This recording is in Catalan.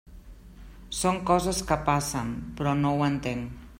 Són coses que passen, però no ho entenc.